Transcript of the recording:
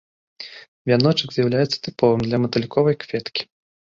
Вяночак з'яўляецца тыповым для матыльковай кветкі.